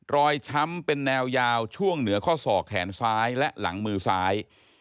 ช้ำเป็นแนวยาวช่วงเหนือข้อศอกแขนซ้ายและหลังมือซ้าย